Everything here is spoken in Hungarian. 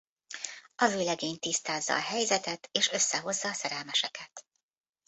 A vőlegény tisztázza a helyzetet és összehozza a szerelmeseket.